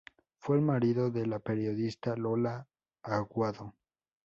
Fue el marido de la periodista Lola Aguado.